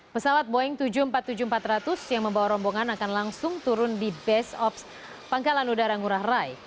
pesawat boeing tujuh ratus empat puluh tujuh empat ratus yang membawa rombongan akan langsung turun di base ops pangkalan udara ngurah rai